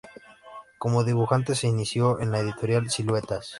Como dibujante se inició en la Editorial Siluetas.